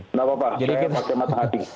nggak apa apa saya dekat di hati